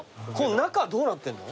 中どうなってんの？